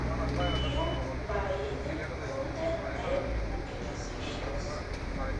Tiom da ili tute ne ekzistas.